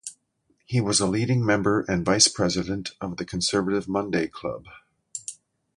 He was a leading member and vice-president of the Conservative Monday Club.